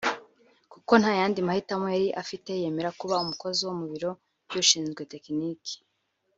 kuko ntayandi mahitamo yari afite yemera kuba umukozi mu biro by'ushinzwe tekinike